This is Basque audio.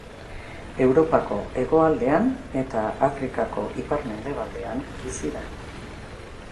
Europako hegoaldean eta Afrikako ipar-mendebalean bizi da.